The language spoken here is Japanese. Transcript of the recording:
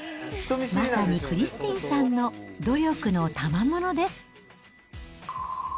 まさにクリスティンさんの努力のたまものです。